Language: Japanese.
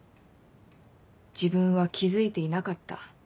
「自分は気付いていなかった。